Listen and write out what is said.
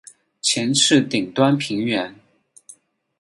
前翅顶端平圆。